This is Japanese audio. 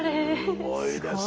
すごい。